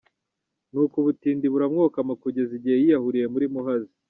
Nuko ubutindi buramwokama, kugeza igihe yiyahuriye muri Muhazi.